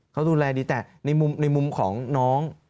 เขาดูแลดีแต่ในมุมของน้อง